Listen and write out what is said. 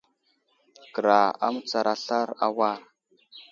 Kəra a mətsar aslar a war.